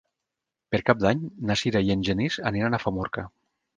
Per Cap d'Any na Sira i en Genís aniran a Famorca.